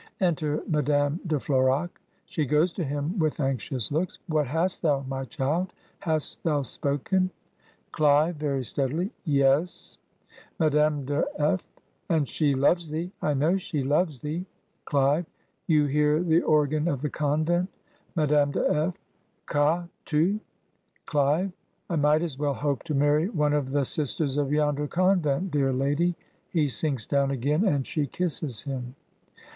"Enter Madame de F'horac, (She goes to him with anxious looks.) 'What hast thou, my child? Hast thou spoken?' "Clive (very steadily). 'Yes.' "Madame de F. 'And she loves thee? I ktitMr she loves thee.' "Clive, 'You hear the organ of the convent?' "Madame de F. 'Qu'as tu?' "Clive. 'I might as well hope to marry one of the sisters of yonder convent, dear lady.' (He sinks down again and she kisses him.)